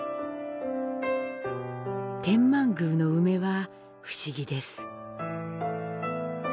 天満宮の梅は不思議です。